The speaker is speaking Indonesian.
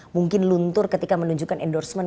mungkin luntur ketika menunjukkan endorsement